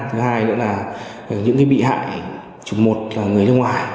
thứ hai nữa là những bị hại chụp một là người nước ngoài